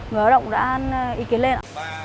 người lao động đã ý kiến lên